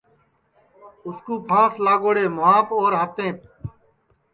اُس کُو پھانٚس لاگوڑے مُہاپ اور ہاتیںٚپ